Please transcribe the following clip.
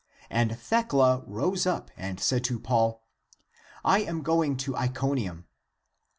And Thecia rose up and said to Paul, " I am going to Iconium."